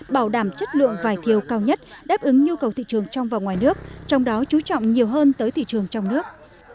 bảo đảm chất lượng vải thiều cao nhất đáp ứng nhu cầu thị trường trong và ngoài nước trong đó chú trọng nhiều hơn tới thị trường trong nước